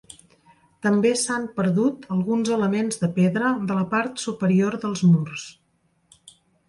També s'han perdut alguns elements de pedra de la part superior dels murs.